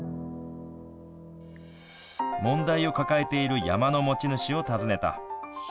問題を抱えている山の持ち主を訪ねた。